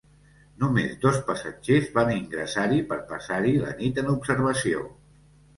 Només dos passatgers van ingressar-hi per passar-hi la nit en observació.